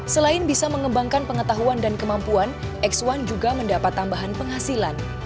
selain bisa mengembangkan pengetahuan dan kemampuan x satu juga mendapat tambahan penghasilan